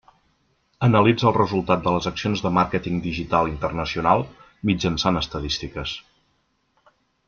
Analitza el resultat de les accions de màrqueting digital internacional, mitjançant estadístiques.